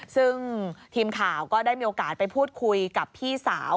ซึ่งทีมข่าวก็ได้มีโอกาสไปพูดคุยกับพี่สาว